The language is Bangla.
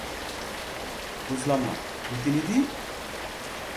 বুঝলাম না, প্রতিনিধি?